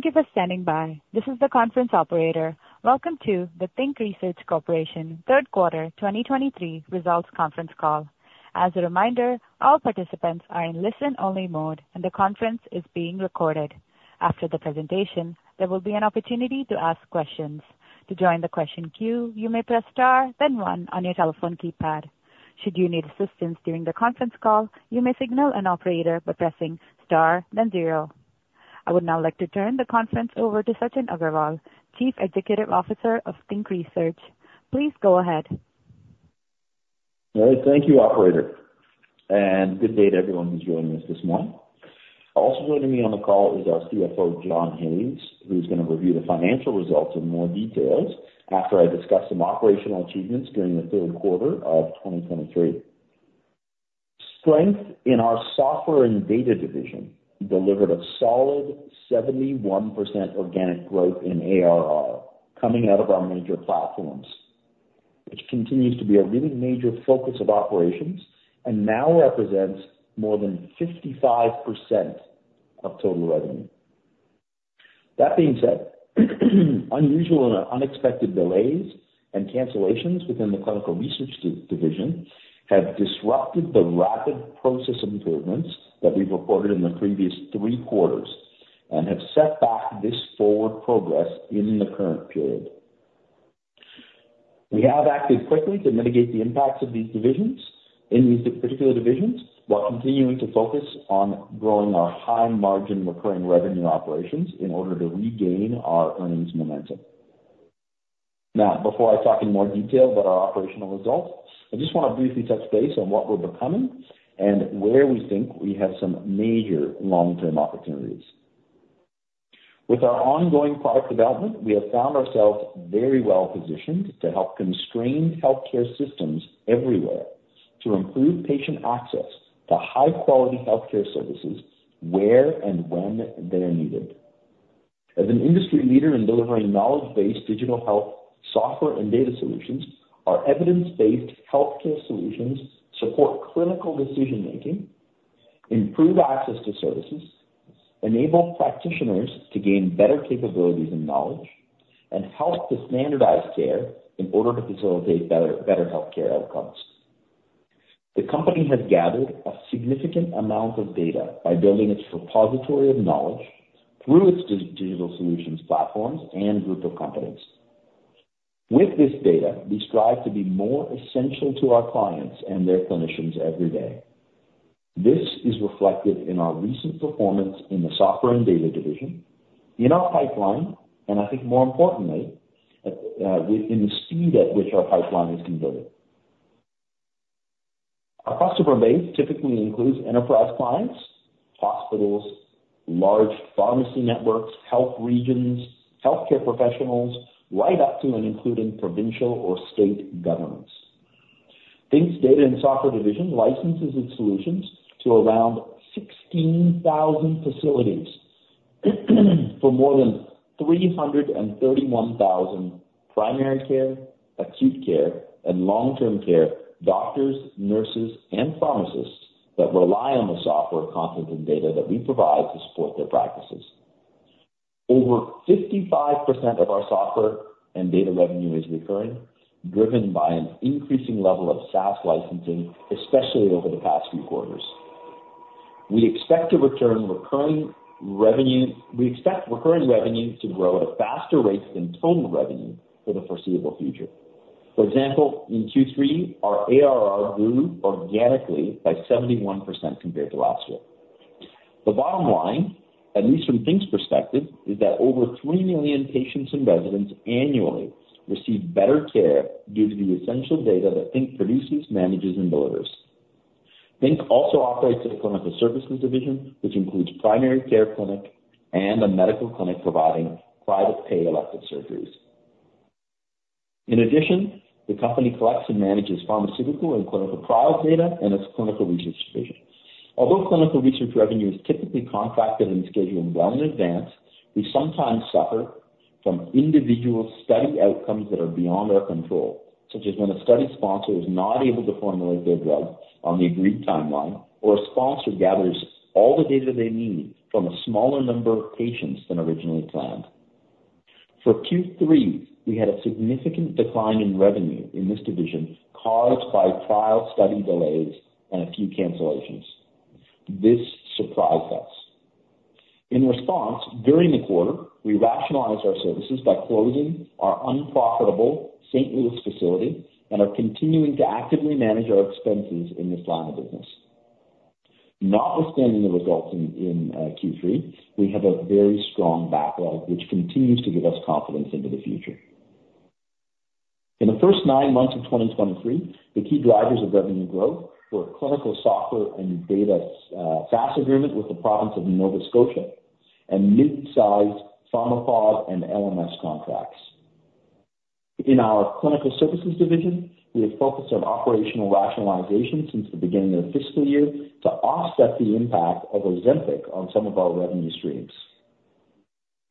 Thank you for standing by. This is the conference operator. Welcome to the Think Research Corporation Third Quarter 2023 results conference call. As a reminder, all participants are in listen-only mode, and the conference is being recorded. After the presentation, there will be an opportunity to ask questions. To join the question queue, you may press star then one on your telephone keypad. Should you need assistance during the conference call, you may signal an operator by pressing star then zero. I would now like to turn the conference over to Sachin Aggarwal, Chief Executive Officer of Think Research. Please go ahead. All right. Thank you, operator, and good day to everyone who's joining us this morning. Also joining me on the call is our CFO, John Hayes, who's gonna review the financial results in more details after I discuss some operational achievements during the third quarter of 2023. Strength in our software and data division delivered a solid 71% organic growth in ARR coming out of our major platforms, which continues to be a really major focus of operations and now represents more than 55% of total revenue. That being said, unusual and unexpected delays and cancellations within the clinical research division have disrupted the rapid process improvements that we've reported in the previous three quarters and have set back this forward progress in the current period. We have acted quickly to mitigate the impacts of these divisions, in these particular divisions, while continuing to focus on growing our high-margin recurring revenue operations in order to regain our earnings momentum. Now, before I talk in more detail about our operational results, I just wanna briefly touch base on what we're becoming and where we think we have some major long-term opportunities. With our ongoing product development, we have found ourselves very well positioned to help Canadian healthcare systems everywhere to improve patient access to high-quality healthcare services where and when they're needed. As an industry leader in delivering knowledge-based digital health software and data solutions, our evidence-based healthcare solutions support clinical decision-making, improve access to services, enable practitioners to gain better capabilities and knowledge, and help to standardize care in order to facilitate better, better healthcare outcomes. The company has gathered a significant amount of data by building its repository of knowledge through its digital solutions, platforms, and group of companies. With this data, we strive to be more essential to our clients and their clinicians every day. This is reflected in our recent performance in the software and data division, in our pipeline, and I think more importantly, in the speed at which our pipeline is delivered. Our customer base typically includes enterprise clients, hospitals, large pharmacy networks, health regions, healthcare professionals, right up to and including provincial or state governments. Think's data and software division licenses its solutions to around 16,000 facilities for more than 331,000 primary care, acute care, and long-term care doctors, nurses, and pharmacists that rely on the software, content, and data that we provide to support their practices. Over 55% of our software and data revenue is recurring, driven by an increasing level of SaaS licensing, especially over the past few quarters. We expect recurring revenue to grow at a faster rate than total revenue for the foreseeable future. For example, in Q3, our ARR grew organically by 71% compared to last year. The bottom line, at least from Think's perspective, is that over 3 million patients and residents annually receive better care due to the essential data that Think produces, manages, and delivers. Think also operates a clinical services division, which includes primary care clinic and a medical clinic providing private pay elective surgeries. In addition, the company collects and manages pharmaceutical and clinical trial data in its clinical research division. Although clinical research revenue is typically contracted and scheduled well in advance, we sometimes suffer from individual study outcomes that are beyond our control, such as when a study sponsor is not able to formulate their drug on the agreed timeline, or a sponsor gathers all the data they need from a smaller number of patients than originally planned. For Q3, we had a significant decline in revenue in this division caused by trial study delays and a few cancellations. This surprised us. In response, during the quarter, we rationalized our services by closing our unprofitable St. Louis facility and are continuing to actively manage our expenses in this line of business. Notwithstanding the results in Q3, we have a very strong backlog, which continues to give us confidence into the future. In the first 9 months of 2023, the key drivers of revenue growth were clinical software and data, SaaS agreement with the province of Nova Scotia and mid-sized Pharmapod and LMS contracts. In our clinical services division, we have focused on operational rationalization since the beginning of the fiscal year to offset the impact of Ozempic on some of our revenue streams.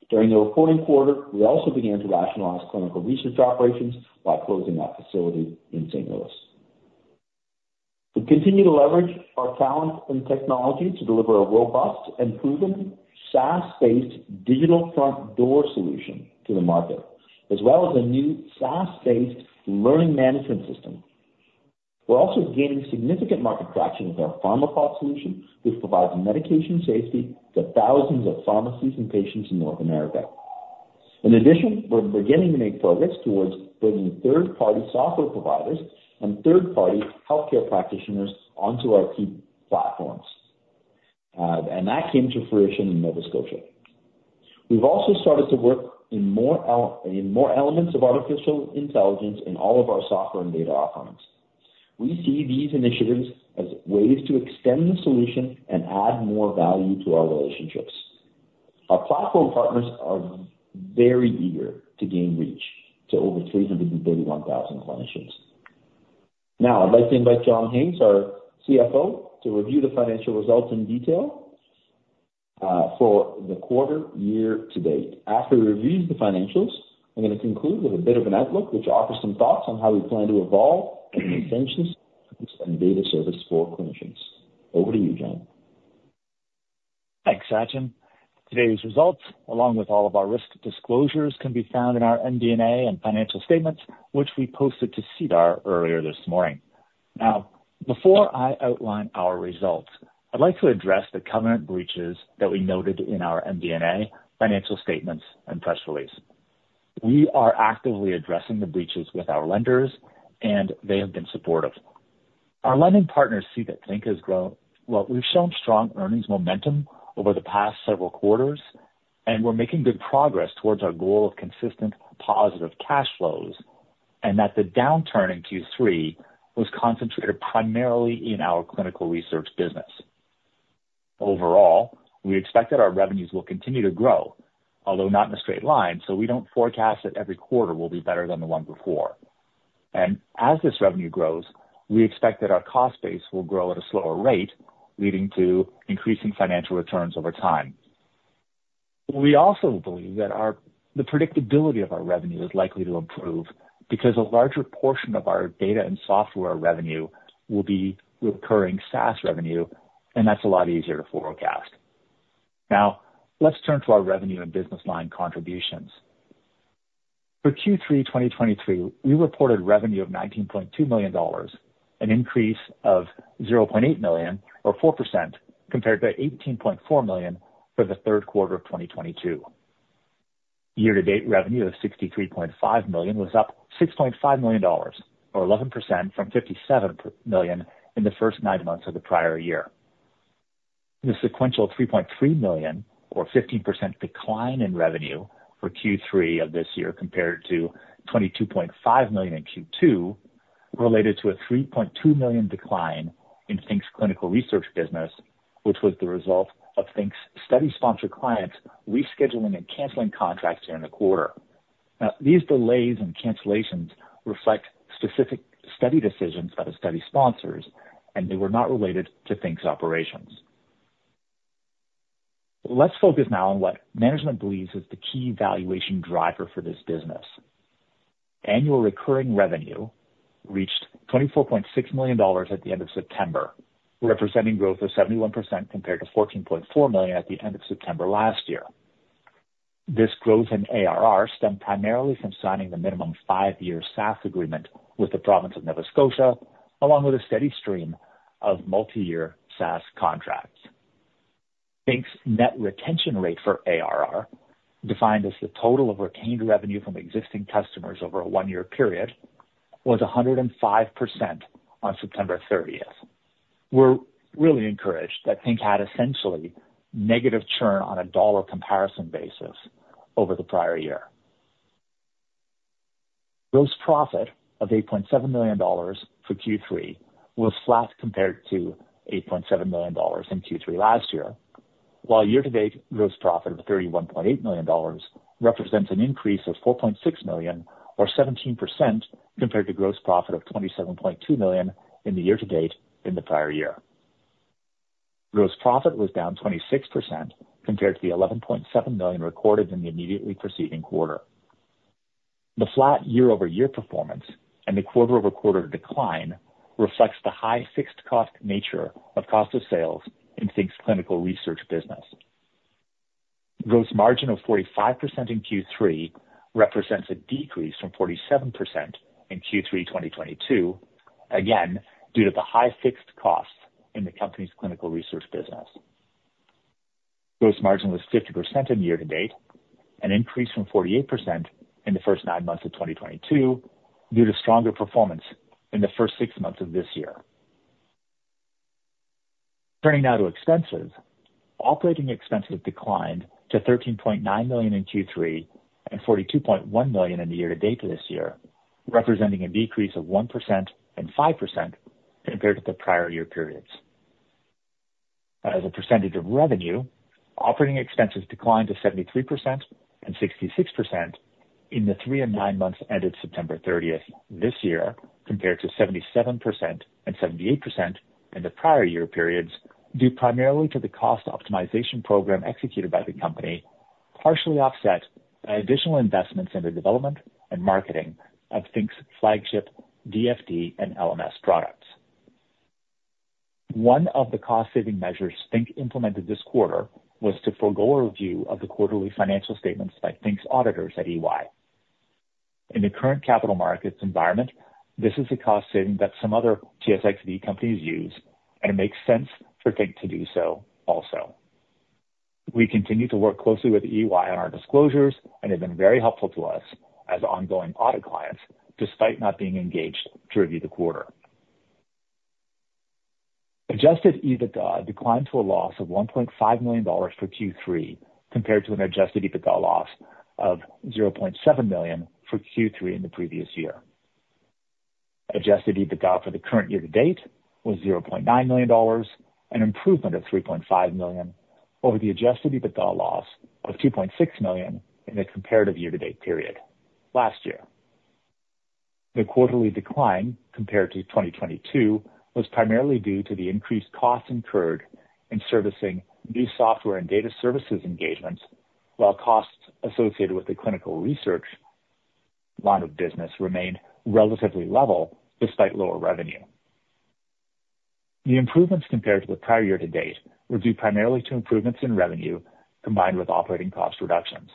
During the reporting quarter, we also began to rationalize clinical research operations by closing our facility in St. Louis. We continue to leverage our talent and technology to deliver a robust and proven SaaS-based Digital Front door solution to the market, as well as a new SaaS-based learning management system. We're also gaining significant market traction with our Pharmapod solution, which provides medication safety to thousands of pharmacies and patients in North America. In addition, we're beginning to make progress towards bringing third-party software providers and third-party healthcare practitioners onto our key platforms, and that came to fruition in Nova Scotia. We've also started to work in more elements of artificial intelligence in all of our software and data offerings. We see these initiatives as ways to extend the solution and add more value to our relationships. Our platform partners are very eager to gain reach to over 331,000 clinicians. Now, I'd like to invite John Hayes, our CFO, to review the financial results in detail, for the quarter year to date. After we review the financials, I'm gonna conclude with a bit of an outlook, which offers some thoughts on how we plan to evolve and intentions and data service for clinicians. Over to you, John. Thanks, Sachin. Today's results, along with all of our risk disclosures, can be found in our MD&A and financial statements, which we posted to SEDAR earlier this morning. Now, before I outline our results, I'd like to address the covenant breaches that we noted in our MD&A financial statements and press release. We are actively addressing the breaches with our lenders, and they have been supportive. Our lending partners see that Think has grown. Well, we've shown strong earnings momentum over the past several quarters, and we're making good progress toward our goal of consistent positive cash flows, and that the downturn in Q3 was concentrated primarily in our clinical research business. Overall, we expect that our revenues will continue to grow, although not in a straight line, so we don't forecast that every quarter will be better than the one before. As this revenue grows, we expect that our cost base will grow at a slower rate, leading to increasing financial returns over time. We also believe that the predictability of our revenue is likely to improve because a larger portion of our data and software revenue will be recurring SaaS revenue, and that's a lot easier to forecast. Now, let's turn to our revenue and business line contributions. For Q3 2023, we reported revenue of 19.2 million dollars, an increase of 0.8 million or 4% compared to 18.4 million for the third quarter of 2022. Year-to-date revenue of 63.5 million was up 6.5 million dollars, or 11% from 57 million in the first nine months of the prior year. The sequential 3.3 million or 15% decline in revenue for Q3 of this year, compared to 22.5 million in Q2, related to a 3.2 million decline in Think's clinical research business, which was the result of Think's study sponsor clients rescheduling and canceling contracts during the quarter. Now, these delays and cancellations reflect specific study decisions by the study sponsors, and they were not related to Think's operations. Let's focus now on what management believes is the key valuation driver for this business. Annual recurring revenue reached 24.6 million dollars at the end of September, representing growth of 71% compared to 14.4 million at the end of September last year. This growth in ARR stemmed primarily from signing the minimum five-year SaaS agreement with the province of Nova Scotia, along with a steady stream of multiyear SaaS contracts. Think's net retention rate for ARR, defined as the total of retained revenue from existing customers over a one-year period, was 105% on September 30th. We're really encouraged that Think had essentially negative churn on a dollar comparison basis over the prior year. Gross profit of 8.7 million dollars for Q3 was flat compared to 8.7 million dollars in Q3 last year, while year-to-date gross profit of 31.8 million dollars represents an increase of 4.6 million or 17% compared to gross profit of 27.2 million in the year to date in the prior year. Gross profit was down 26% compared to the 11.7 million recorded in the immediately preceding quarter. The flat year-over-year performance and the quarter-over-quarter decline reflects the high fixed cost nature of cost of sales in Think's clinical research business. Gross margin of 45% in Q3 represents a decrease from 47% in Q3 2022, again, due to the high fixed costs in the company's clinical research business. Gross margin was 50% in year-to-date, an increase from 48% in the first nine months of 2022 due to stronger performance in the first six months of this year. Turning now to expenses. Operating expenses declined to CAD 13.9 million in Q3 and CAD 42.1 million in the year-to-date this year, representing a decrease of 1% and 5% compared to the prior year periods. As a percentage of revenue, operating expenses declined to 73% and 66% in the 3 and 9 months ended September 30th this year, compared to 77% and 78% in the prior year periods, due primarily to the cost optimization program executed by the company-... Partially offset by additional investments in the development and marketing of Think's Flagship DFD and LMS products. One of the cost-saving measures Think implemented this quarter was to forego a review of the quarterly financial statements by Think's auditors at EY. In the current capital markets environment, this is a cost saving that some other TSXV companies use, and it makes sense for Think to do so also. We continue to work closely with EY on our disclosures and have been very helpful to us as ongoing audit clients, despite not being engaged to review the quarter. Adjusted EBITDA declined to a loss of 1.5 million dollars for Q3, compared to an adjusted EBITDA loss of 0.7 million for Q3 in the previous year. Adjusted EBITDA for the current year-to-date was 0.9 million dollars, an improvement of 3.5 million over the adjusted EBITDA loss of 2.6 million in the comparative year-to-date period last year. The quarterly decline compared to 2022 was primarily due to the increased costs incurred in servicing new software and data services engagements, while costs associated with the clinical research line of business remained relatively level despite lower revenue. The improvements compared to the prior year-to-date were due primarily to improvements in revenue combined with operating cost reductions.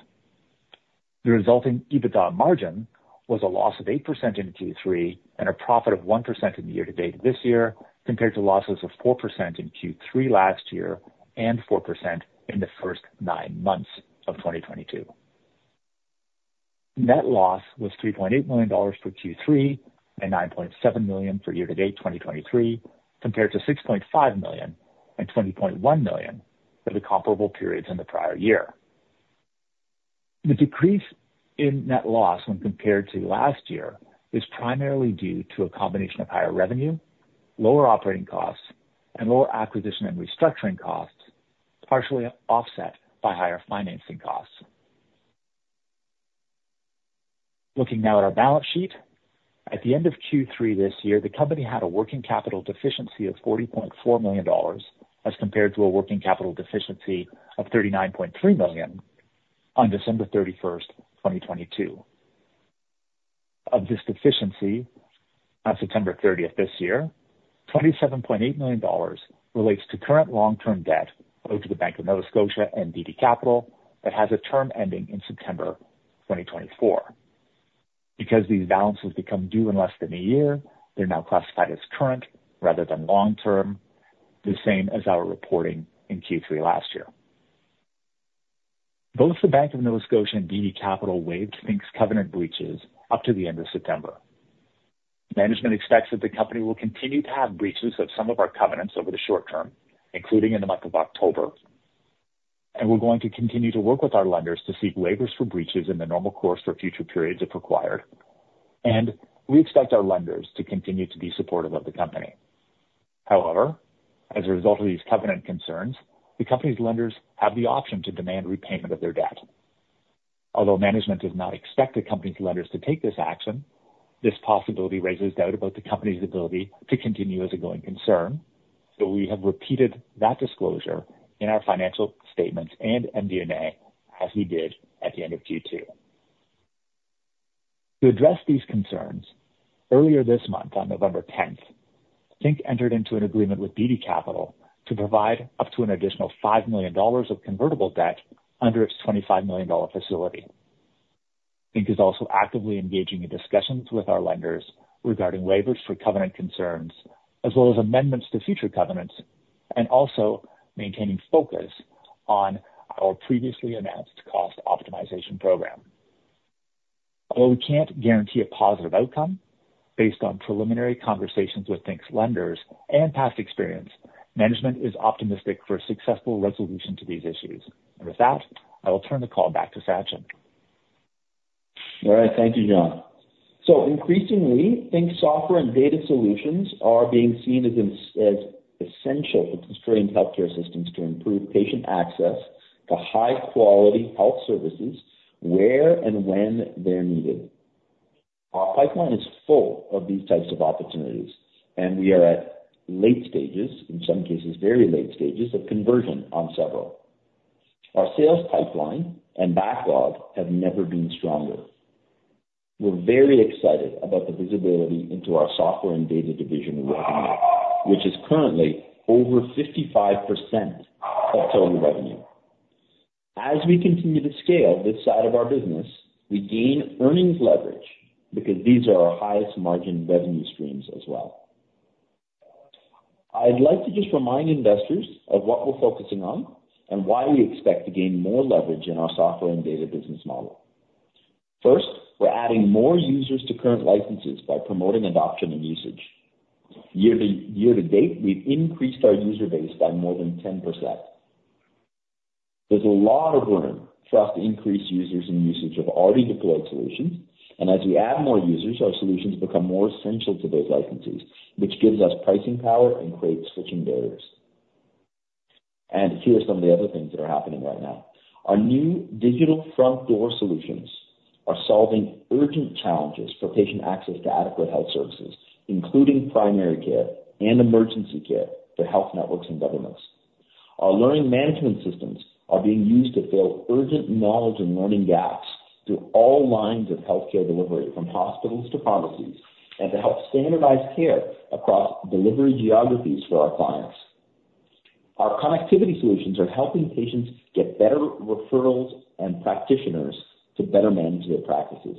The resulting EBITDA margin was a loss of 8% in Q3 and a profit of 1% in the year-to-date this year, compared to losses of 4% in Q3 last year and 4% in the first 9 months of 2022. Net loss was 3.8 million dollars for Q3 and 9.7 million for year-to-date 2023, compared to 6.5 million and 20.1 million for the comparable periods in the prior year. The decrease in net loss when compared to last year is primarily due to a combination of higher revenue, lower operating costs, and lower acquisition and restructuring costs, partially offset by higher financing costs. Looking now at our balance sheet. At the end of Q3 this year, the company had a working capital deficiency of 40.4 million dollars, as compared to a working capital deficiency of 39.3 million on December 31st, 2022. Of this deficiency, on September 30th this year, 27.8 million dollars relates to current long-term debt owed to the Bank of Nova Scotia and Beedie Capital, that has a term ending in September 2024. Because these balances become due in less than a year, they're now classified as current rather than long-term, the same as our reporting in Q3 last year. Both the Bank of Nova Scotia and Beedie Capital waived Think's covenant breaches up to the end of September. Management expects that the company will continue to have breaches of some of our covenants over the short term, including in the month of October. We're going to continue to work with our lenders to seek waivers for breaches in the normal course for future periods, if required. We expect our lenders to continue to be supportive of the company. However, as a result of these covenant concerns, the company's lenders have the option to demand repayment of their debt. Although management does not expect the company's lenders to take this action, this possibility raises doubt about the company's ability to continue as a going concern. We have repeated that disclosure in our financial statements and MD&A, as we did at the end of Q2. To address these concerns, earlier this month, on November 10th, Think entered into an agreement with Beedie Capital to provide up to an additional 5 million dollars of convertible debt under its 25 million dollar facility. Think is also actively engaging in discussions with our lenders regarding waivers for covenant concerns, as well as amendments to future covenants, and also maintaining focus on our previously announced cost optimization program. Although we can't guarantee a positive outcome based on preliminary conversations with Think's lenders and past experience, management is optimistic for a successful resolution to these issues. With that, I will turn the call back to Sachin. All right. Thank you, John. So increasingly, Think's software and data solutions are being seen as essential for constrained healthcare systems to improve patient access to high quality health services where and when they're needed. Our pipeline is full of these types of opportunities, and we are at late stages, in some cases, very late stages, of conversion on several. Our sales pipeline and backlog have never been stronger. We're very excited about the visibility into our software and data division we're working with, which is currently over 55% of total revenue. As we continue to scale this side of our business, we gain earnings leverage because these are our highest margin revenue streams as well. I'd like to just remind investors of what we're focusing on and why we expect to gain more leverage in our software and data business model. First, we're adding more users to current licenses by promoting adoption and usage. Year to date, we've increased our user base by more than 10%. There's a lot of room for us to increase users and usage of already deployed solutions, and as we add more users, our solutions become more essential to those licensees, which gives us pricing power and creates switching barriers. And here are some of the other things that are happening right now: Our new Digital Front Door solutions are solving urgent challenges for patient access to adequate health services, including primary care and emergency care for health networks and governments. Our learning management systems are being used to fill urgent knowledge and learning gaps through all lines of healthcare delivery, from hospitals to pharmacies, and to help standardize care across delivery geographies for our clients. Our connectivity solutions are helping patients get better referrals and practitioners to better manage their practices.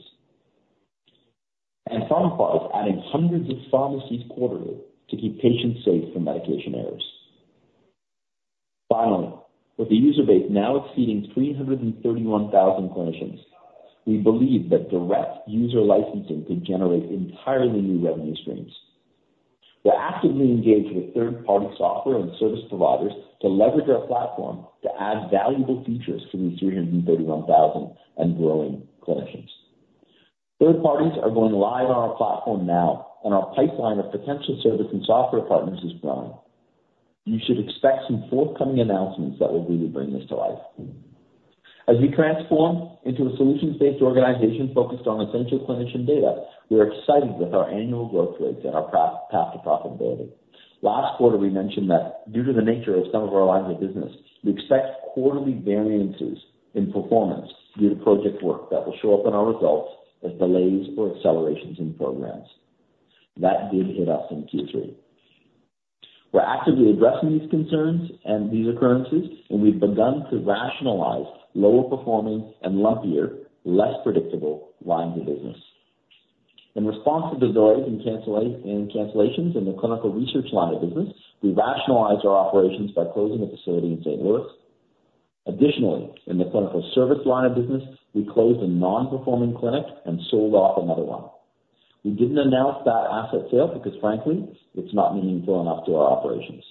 Pharmpods is adding hundreds of pharmacies quarterly to keep patients safe from medication errors. Finally, with the user base now exceeding 331,000 clinicians, we believe that direct user licensing can generate entirely new revenue streams. We're actively engaged with third-party software and service providers to leverage our platform to add valuable features to these 331,000 and growing clinicians. Third parties are going live on our platform now, and our pipeline of potential service and software partners is growing. You should expect some forthcoming announcements that will really bring this to life. As we transform into a solutions-based organization focused on essential clinician data, we are excited with our annual growth rates and our path to profitability. Last quarter, we mentioned that due to the nature of some of our lines of business, we expect quarterly variances in performance due to project work that will show up in our results as delays or accelerations in programs. That did hit us in Q3. We're actively addressing these concerns and these occurrences, and we've begun to rationalize lower performing and lumpier, less predictable lines of business. In response to delays and cancellations in the clinical research line of business, we rationalized our operations by closing a facility in St. Louis. Additionally, in the clinical service line of business, we closed a non-performing clinic and sold off another one. We didn't announce that asset sale because, frankly, it's not meaningful enough to our operations.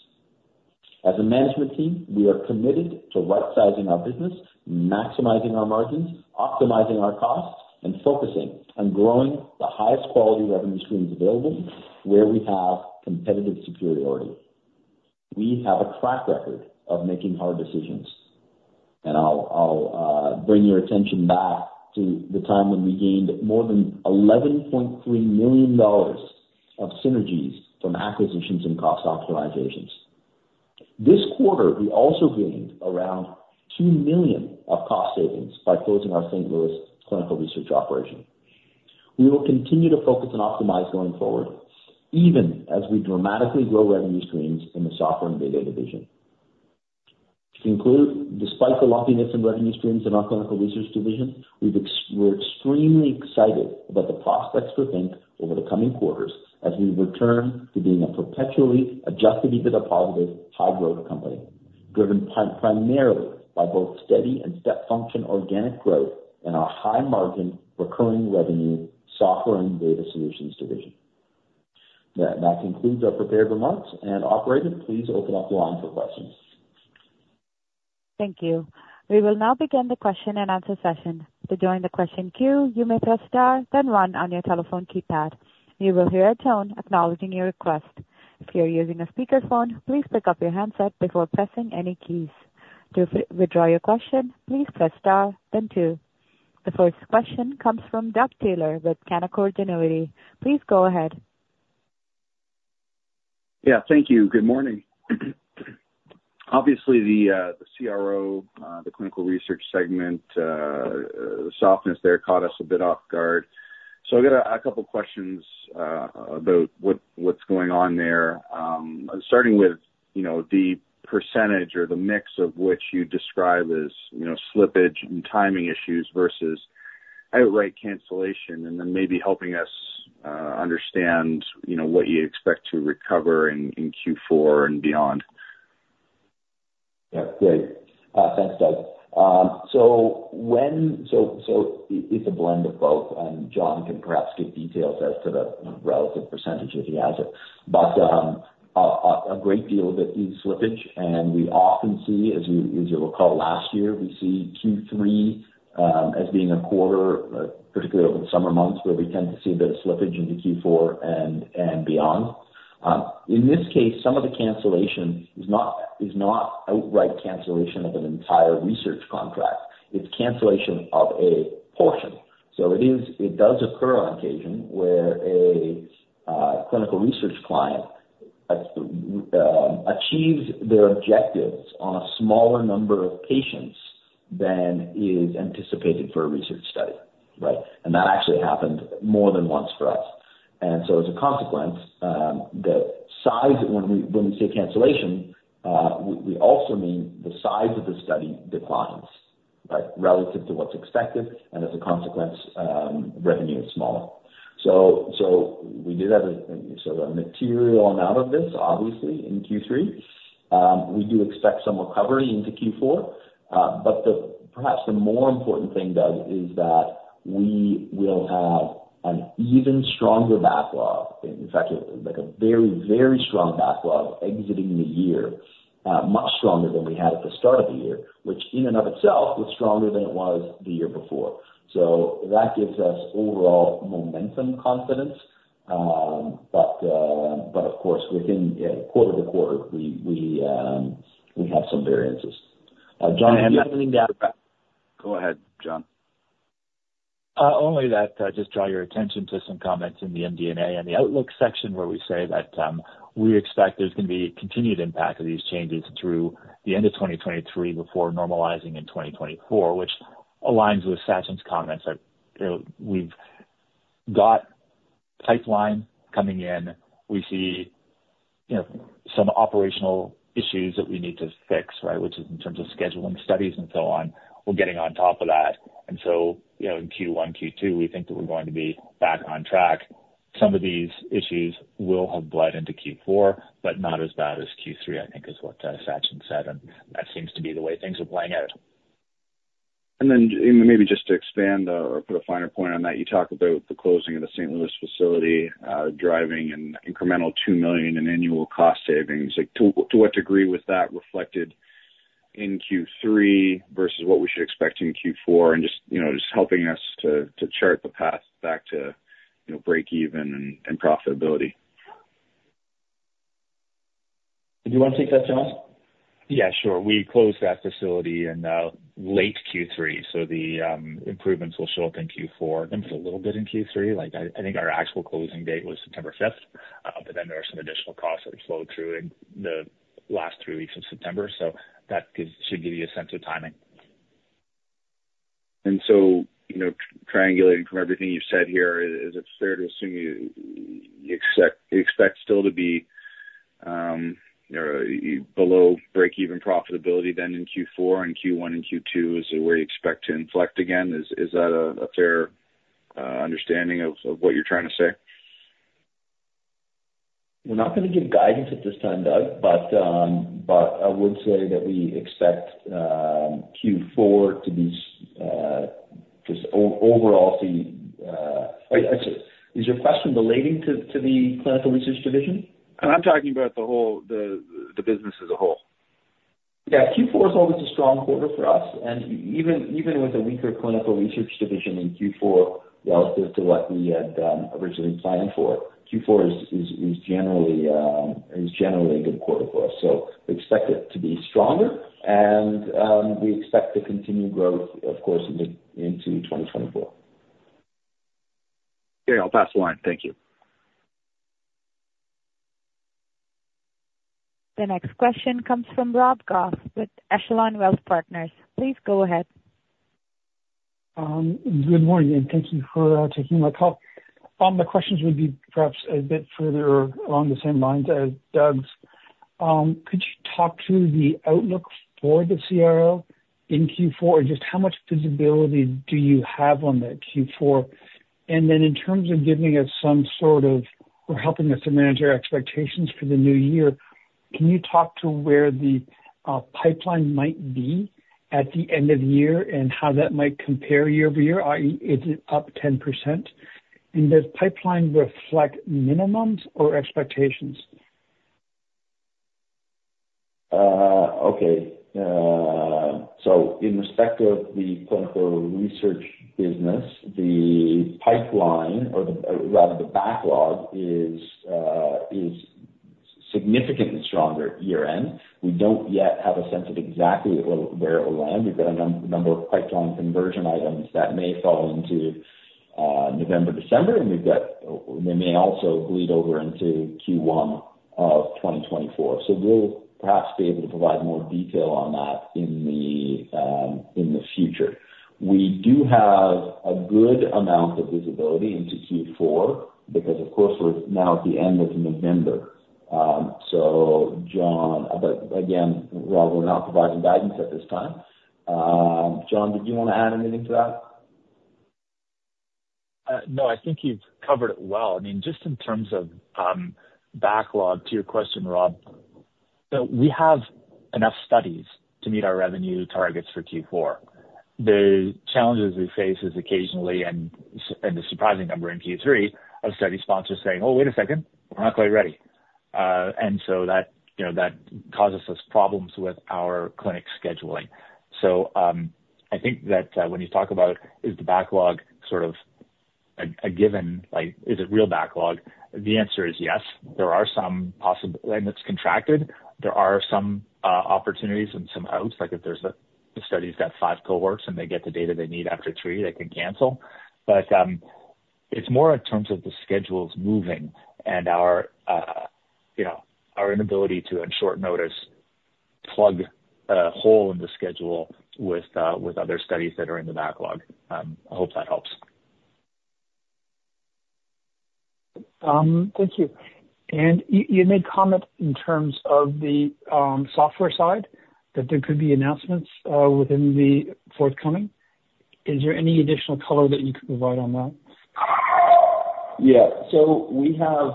As a management team, we are committed to right-sizing our business, maximizing our margins, optimizing our costs, and focusing on growing the highest quality revenue streams available where we have competitive superiority. We have a track record of making hard decisions, and I'll bring your attention back to the time when we gained more than 11.3 million dollars of synergies from acquisitions and cost optimizations. This quarter, we also gained around 2 million of cost savings by closing our St. Louis clinical research operation. We will continue to focus and optimize going forward, even as we dramatically grow revenue streams in the software and data division. To conclude, despite the lumpiness in revenue streams in our clinical research division, we're extremely excited about the prospects for Think over the coming quarters as we return to being a perpetually Adjusted EBITDA positive, high-growth company, driven primarily by both steady and step function organic growth and our high-margin, recurring revenue, software and data solutions division. That concludes our prepared remarks, and operator, please open up the line for questions. Thank you. We will now begin the question and answer session. To join the question queue, you may press star then one on your telephone keypad. You will hear a tone acknowledging your request. If you are using a speakerphone, please pick up your handset before pressing any keys. To withdraw your question, please press star then two. The first question comes from Doug Taylor with Canaccord Genuity. Please go ahead. Yeah, thank you. Good morning. Obviously, the CRO, the clinical research segment, softness there caught us a bit off guard. So I got a couple questions about what's going on there, starting with, you know, the percentage or the mix of which you describe as, you know, slippage and timing issues versus outright cancellation, and then maybe helping us understand, you know, what you expect to recover in Q4 and beyond. Yeah, great. Thanks, Doug. So when... So, so it, it's a blend of both, and John can perhaps give details as to the relative percentage, if he has it. But, a great deal of it is slippage, and we often see, as you, as you'll recall, last year, we see Q3 as being a quarter, particularly over the summer months, where we tend to see a bit of slippage into Q4 and beyond. In this case, some of the cancellation is not outright cancellation of an entire research contract. It's cancellation of a portion. So it does occur on occasion where a clinical research client achieves their objectives on a smaller number of patients than is anticipated for a research study, right? And that actually happened more than once for us. And so as a consequence, the size, when we say cancellation, we also mean the size of the study declines, right? Relative to what's expected, and as a consequence, revenue is smaller. So we did have a sort of a material amount of this, obviously, in Q3. We do expect some recovery into Q4, but perhaps the more important thing, Doug, is that we will have an even stronger backlog, in fact, like a very, very strong backlog exiting the year, much stronger than we had at the start of the year, which in and of itself was stronger than it was the year before. So that gives us overall momentum confidence, but of course, within quarter to quarter, we have some variances. John- Go ahead, John. ... Only that, just draw your attention to some comments in the MD&A and the outlook section, where we say that we expect there's gonna be continued impact of these changes through the end of 2023 before normalizing in 2024, which aligns with Sachin's comments, that, you know, we've got pipeline coming in. We see, you know, some operational issues that we need to fix, right? Which is in terms of scheduling studies and so on, we're getting on top of that. And so, you know, in Q1, Q2, we think that we're going to be back on track. Some of these issues will have bled into Q4, but not as bad as Q3, I think is what Sachin said, and that seems to be the way things are playing out. And then, maybe just to expand or, or put a finer point on that, you talked about the closing of the St. Louis facility, driving an incremental 2 million in annual cost savings. Like, to what degree was that reflected in Q3 versus what we should expect in Q4? And just, you know, just helping us to chart the path back to, you know, break even and profitability. Do you wanna take that, John? Yeah, sure. We closed that facility in late Q3, so the improvements will show up in Q4 and a little bit in Q3. Like, I think our actual closing date was September 5th, but then there are some additional costs that flow through in the last three weeks of September. So that should give you a sense of timing. And so, you know, triangulating from everything you've said here, is it fair to assume you, you expect, you expect still to be, you know, below break-even profitability then in Q4 and Q1 and Q2, is where you expect to inflect again? Is, is that a, a fair understanding of, of what you're trying to say? We're not gonna give guidance at this time, Doug, but, but I would say that we expect Q4 to be just overall to... Is your question relating to the clinical research division? I'm talking about the whole, the business as a whole. Yeah. Q4 is always a strong quarter for us, and even with a weaker clinical research division in Q4, relative to what we had originally planned for, Q4 is generally a good quarter for us. So we expect it to be stronger and we expect to continue growth, of course, into 2024. Okay, I'll pass the line. Thank you. The next question comes from Rob Goff with Echelon Wealth Partners. Please go ahead. Good morning, and thank you for taking my call. My questions would be perhaps a bit further along the same lines as Doug's. Could you talk to the outlook for the CRO in Q4, and just how much visibility do you have on the Q4? And then in terms of giving us some sort of, or helping us to manage our expectations for the new year, can you talk to where the pipeline might be at the end of the year and how that might compare year-over-year, i.e., is it up 10%? And does pipeline reflect minimums or expectations? Okay. So in respect of the clinical research business, the pipeline, or the, rather, the backlog is significantly stronger year-end. We don't yet have a sense of exactly where it will land. We've got a number of pipeline conversion items that may fall into November, December, and we've got... They may also bleed over into Q1 of 2024. So we'll perhaps be able to provide more detail on that in the future. We do have a good amount of visibility into Q4 because, of course, we're now at the end of November. So John, but again, while we're not providing guidance at this time, John, did you want to add anything to that? No, I think you've covered it well. I mean, just in terms of backlog, to your question, Rob, we have enough studies to meet our revenue targets for Q4. The challenges we face is occasionally, and a surprising number in Q3, of study sponsors saying, "Oh, wait a second, we're not quite ready." And so that, you know, that causes us problems with our clinic scheduling. So, I think that, when you talk about is the backlog sort of a given, like, is it real backlog? The answer is yes. There are some possibilities and it's contracted. There are some opportunities and some outs, like if there's a study that's five cohorts and they get the data they need after three, they can cancel. But, it's more in terms of the schedules moving and our, you know, our inability to, on short notice, plug a hole in the schedule with, with other studies that are in the backlog. I hope that helps. Thank you. And you made comment in terms of the software side, that there could be announcements within the forthcoming. Is there any additional color that you could provide on that? Yeah. So we have,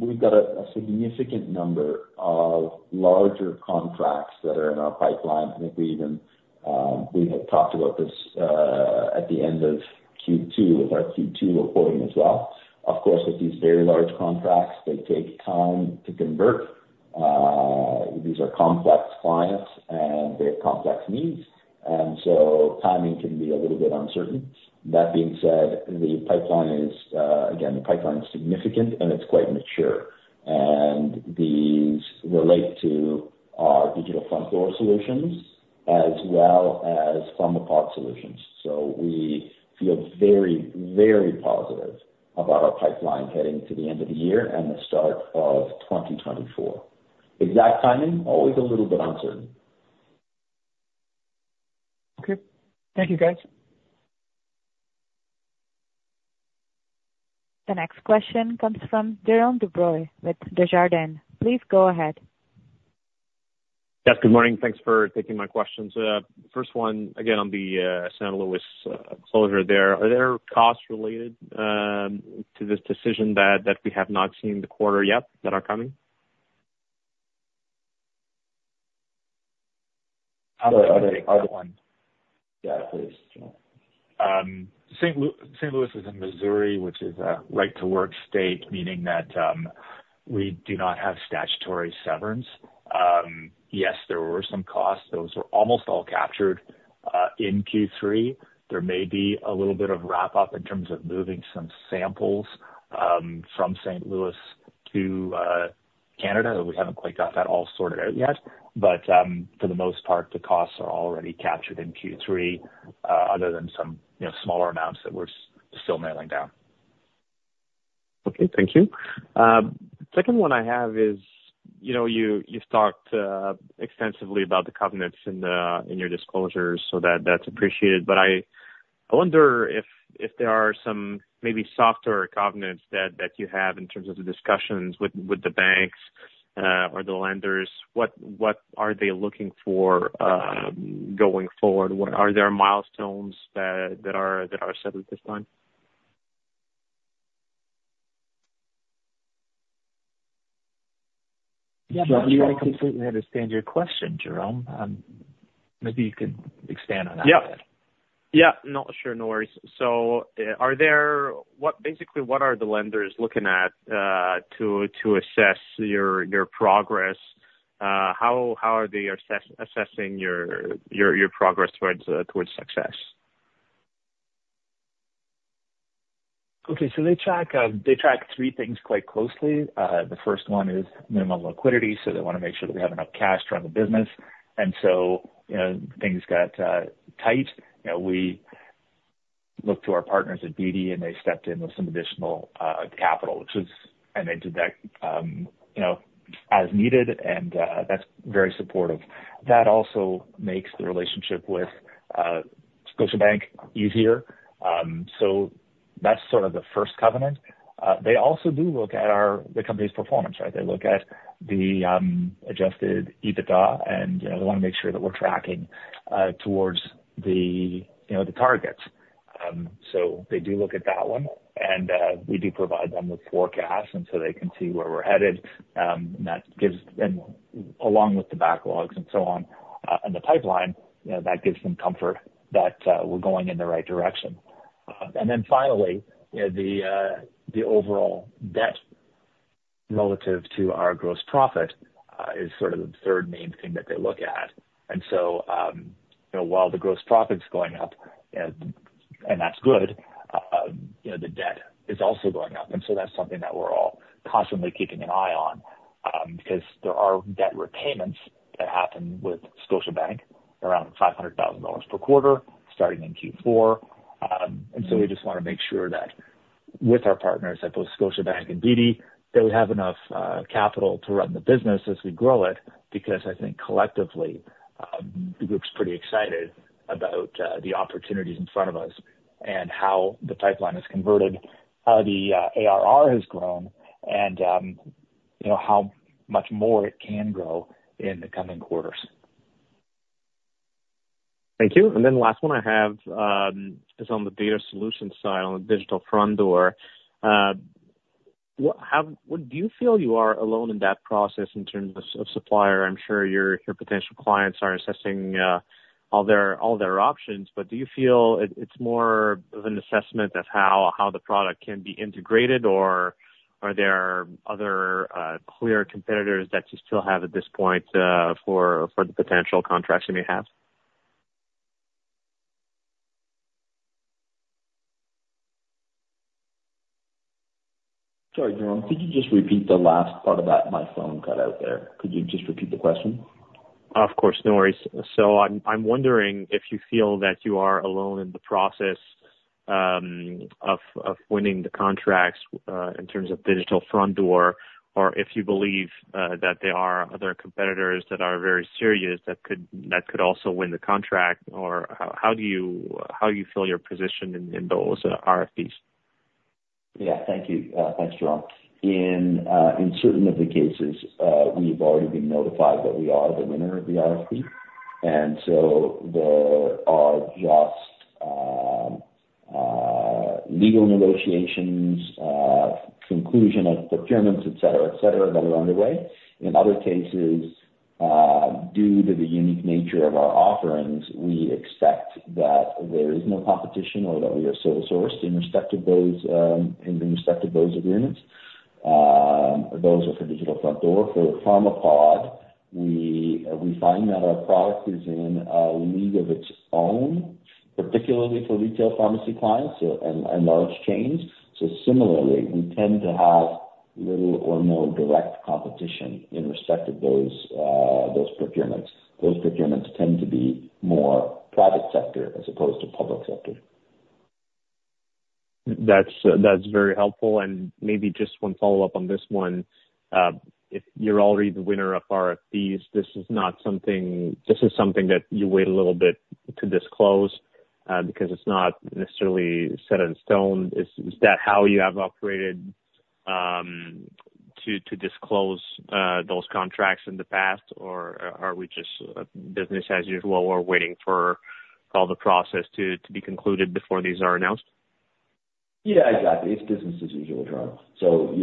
we've got a significant number of larger contracts that are in our pipeline. I think we even we had talked about this at the end of Q2, with our Q2 reporting as well. Of course, with these very large contracts, they take time to convert. These are complex clients, and they have complex needs, and so timing can be a little bit uncertain. That being said, the pipeline is, again, the pipeline is significant, and it's quite mature, and these relate to our digital front door solutions... as well as from the Pharmapod solutions. So we feel very, very positive about our pipeline heading to the end of the year and the start of 2024. Exact timing, always a little bit uncertain. Okay. Thank you, guys. The next question comes from Jérôme Dubreuil with Desjardins. Please go ahead. Yes, good morning. Thanks for taking my questions. First one, again, on the St. Louis closure there. Are there costs related to this decision that we have not seen in the quarter yet, that are coming? Other one? Yeah, please. St. Louis is in Missouri, which is a right-to-work state, meaning that we do not have statutory severance. Yes, there were some costs. Those were almost all captured in Q3. There may be a little bit of wrap-up in terms of moving some samples from St. Louis to Canada. We haven't quite got that all sorted out yet, but for the most part, the costs are already captured in Q3, other than some, you know, smaller amounts that we're still nailing down. Okay. Thank you. Second one I have is, you know, you, you've talked extensively about the covenants in the, in your disclosures, so that's appreciated. But I, I wonder if, if there are some maybe softer covenants that, that you have in terms of the discussions with, with the banks, or the lenders. What are they looking for, going forward? Are there milestones that, that are, that are set at this time? Yeah, I don't completely understand your question, Jérôme. Maybe you could expand on that a bit. Yeah. Yeah, no, sure, no worries. So, basically, what are the lenders looking at to assess your progress? How are they assessing your progress towards success? Okay. So they track, they track three things quite closely. The first one is minimum liquidity, so they wanna make sure that we have enough cash to run the business. And so, you know, things got, tight. You know, we looked to our partners at Beedie, and they stepped in with some additional, capital, which is... And they did that, you know, as needed, and, that's very supportive. That also makes the relationship with, Scotiabank easier. So that's sort of the first covenant. They also do look at our, the company's performance, right? They look at the, adjusted EBITDA, and, you know, they wanna make sure that we're tracking, towards the, you know, the targets. So they do look at that one, and, we do provide them with forecasts, and so they can see where we're headed. And that gives them, along with the backlogs and so on, and the pipeline, you know, that gives them comfort that we're going in the right direction. And then finally, you know, the overall debt relative to our gross profit is sort of the third main thing that they look at. And so, you know, while the gross profit's going up, and, and that's good, you know, the debt is also going up. And so that's something that we're all constantly keeping an eye on, because there are debt repayments that happen with Scotiabank, around 500,000 dollars per quarter, starting in Q4. and so we just wanna make sure that with our partners at both Scotiabank and BD, that we have enough capital to run the business as we grow it, because I think collectively, the group's pretty excited about the opportunities in front of us and how the pipeline is converted, how the ARR has grown, and, you know, how much more it can grow in the coming quarters. Thank you. And then the last one I have is on the data solution side, on the Digital Front Door. How do you feel you are alone in that process in terms of supplier? I'm sure your potential clients are assessing all their options, but do you feel it's more of an assessment of how the product can be integrated, or are there other clear competitors that you still have at this point for the potential contracts you may have? Sorry, Jérôme, could you just repeat the last part of that? My phone got out there. Could you just repeat the question? Of course. No worries. So I'm wondering if you feel that you are alone in the process of winning the contracts in terms of digital front door, or if you believe that there are other competitors that are very serious that could also win the contract, or how do you feel your position in those RFPs? Yeah. Thank you. Thanks, Jérôme. In certain of the cases, we've already been notified that we are the winner of the RFP, and so there are just legal negotiations, conclusion of procurements, et cetera, et cetera, that are underway. In other cases, due to the unique nature of our offerings, we expect that there is no competition or that we are sole sourced in respect to those, in respect to those agreements. Those are for digital front door. For Pharmapod, we find that our product is in a league of its own... particularly for retail pharmacy clients and large chains. So similarly, we tend to have little or no direct competition in respect of those, those procurements. Those procurements tend to be more private sector as opposed to public sector. That's very helpful. And maybe just one follow-up on this one. If you're already the winner of RFPs, this is not something. This is something that you wait a little bit to disclose, because it's not necessarily set in stone. Is that how you have operated to disclose those contracts in the past? Or are we just business as usual while we're waiting for all the process to be concluded before these are announced? Yeah, exactly. It's business as usual, Jérôme. So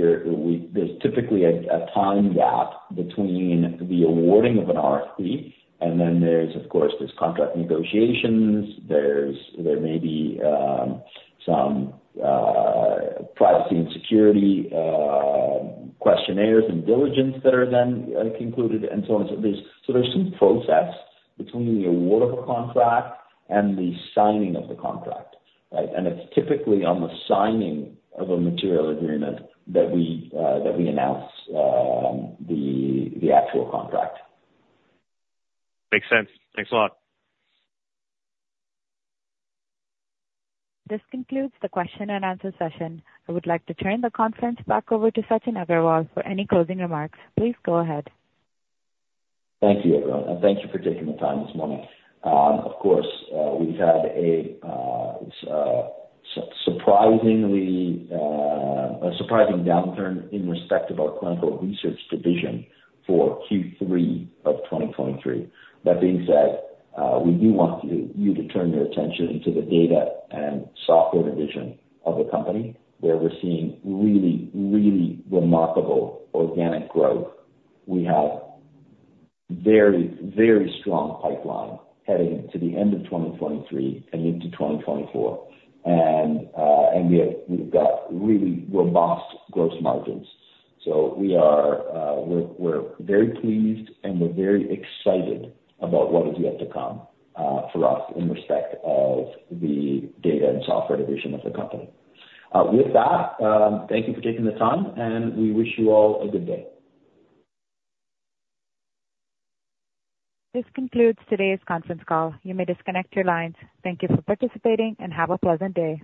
there's typically a time gap between the awarding of an RFP, and then there's, of course, contract negotiations, there may be some privacy and security questionnaires and diligence that are then concluded and so on. So there's some process between the award of a contract and the signing of the contract, right? And it's typically on the signing of a material agreement that we that we announce the actual contract. Makes sense. Thanks a lot. This concludes the question and answer session. I would like to turn the conference back over to Sachin Aggarwal for any closing remarks. Please go ahead. Thank you, everyone, and thank you for taking the time this morning. Of course, we've had a surprisingly a surprising downturn in respect of our clinical research division for Q3 of 2023. That being said, we do want you to turn your attention to the data and software division of the company, where we're seeing really, really remarkable organic growth. We have very, very strong pipeline heading to the end of 2023 and into 2024, and, and we have, we've got really robust gross margins. So we are, we're very pleased, and we're very excited about what is yet to come for us in respect of the data and software division of the company. With that, thank you for taking the time, and we wish you all a good day. This concludes today's conference call. You may disconnect your lines. Thank you for participating, and have a pleasant day.